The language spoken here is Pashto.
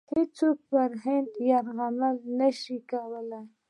هیڅوک پر هند یرغل نه شي کولای.